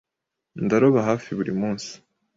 Ndaroba hafi buri munsi.